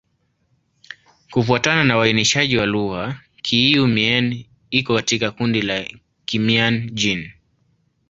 Kufuatana na uainishaji wa lugha, Kiiu-Mien iko katika kundi la Kimian-Jin.